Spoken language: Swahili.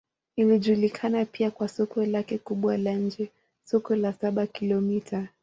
Inajulikana pia kwa soko lake kubwa la nje, Soko la Saba-Kilomita.